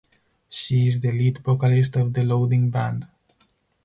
She is the lead vocalist of "The Loading Band".